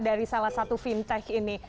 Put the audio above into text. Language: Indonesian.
dari salah satu fintech ini